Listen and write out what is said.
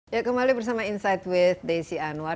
ya kembali bersama insight vdc anwar